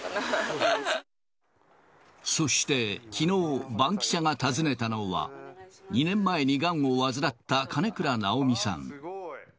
そして、きのう、バンキシャが訪ねたのは、２年前にがんを患った金倉直美さん。